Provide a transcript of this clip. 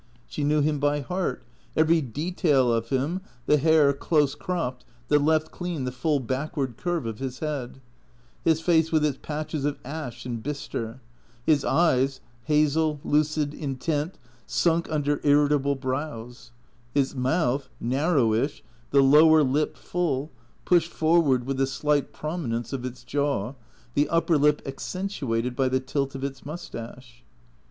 She knew him by heart, every detail of him, the hair, close cropped, that left clean the full backward curve of his head; his face with its patches of ash and bistre; his eyes, hazel, lucid, intent, sunk under irritable brows; his mouth, nar rowish, the lower lip full, pushed forward with the slight promi nence of its jaw, the upper lip accentuated by the tilt of its moustache.